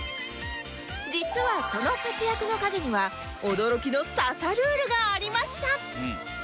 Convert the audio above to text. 実はその活躍の陰には驚きの刺さルールがありました